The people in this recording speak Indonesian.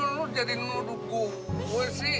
lo jadi nuru gue sih